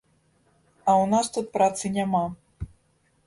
А ў нас тут працы няма.